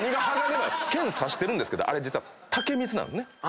剣差してるんですけどあれ実は竹みつなんですね。